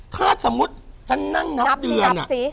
ถ้าสมมุติฉันนั่งนับเดือน